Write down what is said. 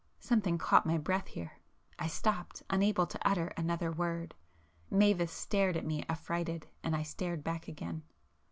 Something caught my breath here,—I stopped, unable to utter another word. Mavis stared at me affrighted, and I stared back again.